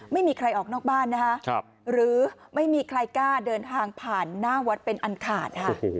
ไม่มีใครออกนอกบ้านนะคะหรือไม่มีใครกล้าเดินทางผ่านหน้าวัดเป็นอันขาดค่ะ